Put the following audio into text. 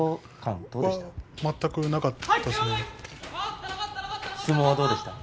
全くなかったですね。